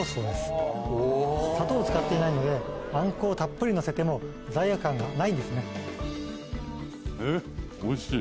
砂糖を使っていないのであんこをたっぷりのせても罪悪感がないんですね。